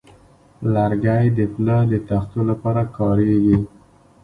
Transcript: لرګی د پله د تختو لپاره کارېږي.